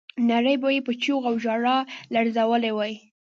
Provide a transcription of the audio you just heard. نړۍ به یې په چیغو او ژړاو لړزولې وای.